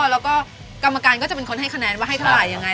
แล้วก็กรรมการก็จะเป็นคนให้คะแนนว่าให้เท่าไหร่ยังไง